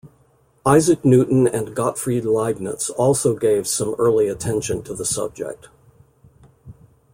Isaac Newton and Gottfried Leibniz also gave some early attention to the subject.